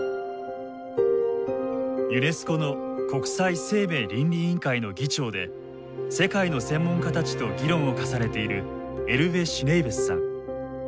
ユネスコの国際生命倫理委員会の議長で世界の専門家たちと議論を重ねているエルヴェ・シュネイベスさん。